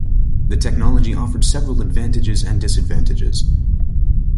The technology offered several advantages and disadvantages.